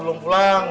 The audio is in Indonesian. sekian mut waduh woi